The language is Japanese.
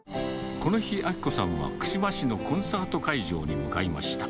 この日、明子さんは串間市のコンサート会場に向かいました。